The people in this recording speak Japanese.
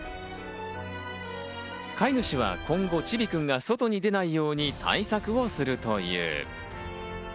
飼い主は今後、ちびくんが外に出ないように対策をするという。